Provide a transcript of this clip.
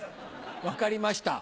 分かりました。